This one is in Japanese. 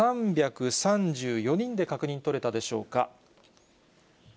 １万３３４人で確認取れたでしょうか。